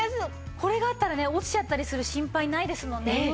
これがあったらね落ちちゃったりする心配ないですもんね。